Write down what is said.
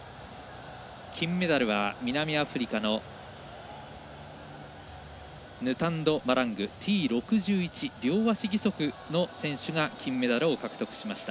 金メダルは南アフリカのヌタンド・マラングＴ６１、両足義足の選手が金メダルを獲得しました。